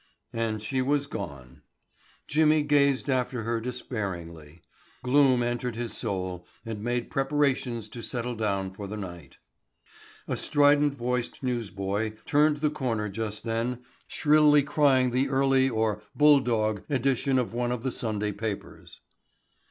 And she was gone. Jimmy gazed after her despairingly. Gloom entered his soul and made preparations to settle down for the night. A strident voiced newsboy turned the corner just then shrilly crying the early or "bull dog" edition of one of the Sunday papers.